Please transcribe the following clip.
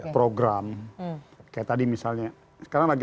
program kayak tadi misalnya sekarang lagi